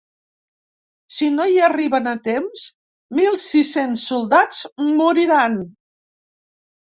Si no hi arriben a temps, mil sis-cents soldats moriran.